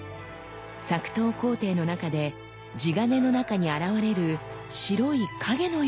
作刀工程の中で地鉄の中に現れる白い影のようなものです。